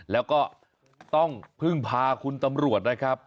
แล้วก็ต้องพึ่งพาคุณตำรวจนะครับ